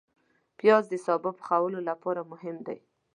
پیاز د سابه پخولو لپاره مهم دی